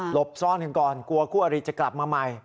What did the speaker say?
บซ่อนกันก่อนกลัวคู่อริจะกลับมาใหม่